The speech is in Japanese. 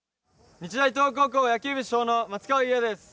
日大東北高校野球部主将の松川侑矢です。